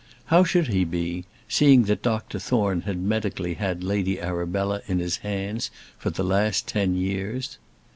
How should he be, seeing that Dr Thorne had medically had Lady Arabella in his hands for the last ten years?